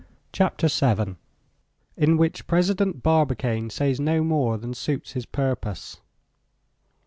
CHAPTER VII.IN WHICH PRESIDENT BARBICANE SAYS NO MORE THAN SUITS HIS PURPOSE.